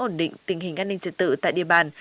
giữ vững ổn định tình hình an ninh trật tự tại địa bàn